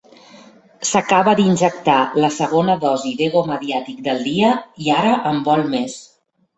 S'acaba d'injectar la segona dosi d'ego mediàtic del dia i ara en vol més.